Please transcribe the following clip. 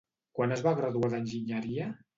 Quan es va graduar d'Enginyeria?